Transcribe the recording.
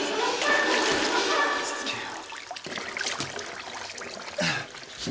落ち着けよ。